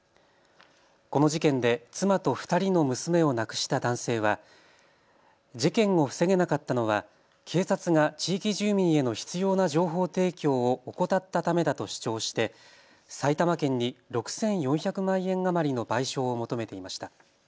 この事件で妻と２人の娘を亡くした男性は事件を防げなかったのは警察が地域住民への必要な情報提供を怠ったためだと主張して埼玉県に６４００万円余りの賠償を求めていました。